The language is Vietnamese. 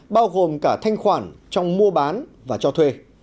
bao gồm cả thanh khoản trong mua bán và cho thuê